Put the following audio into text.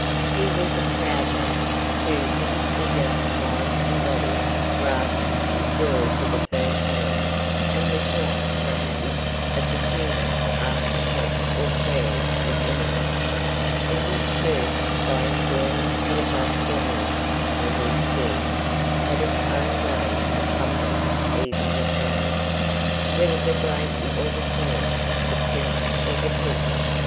He was a proud man, who, with his vigour of mind and body, grasped his world with a firm hand, and was not, perhaps, of the humour to ask the help or prayers of anyone. But his church, by enjoining the above formula over its dead, had its own way of humbling even the proudest, whether the great or the small, the prince or the peasant.